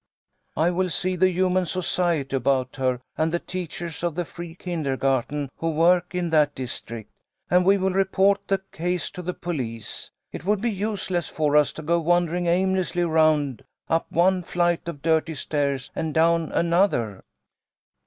I will see the Humane Society about her, and the teachers of the free kindergarten who work in that district, and we will report the case to the police 202 THE LITTLE COLONEL'S HOLIDAYS. It would be useless for us to go wandering aim lessly around, up one flight of dirty stairs and down another."